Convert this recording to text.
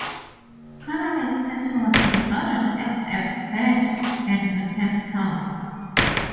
Panamint City was regarded as a "bad and wicked" town.